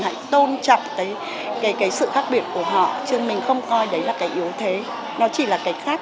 hãy tôn trọng cái sự khác biệt của họ chứ mình không coi đấy là cái yếu thế nó chỉ là cái khác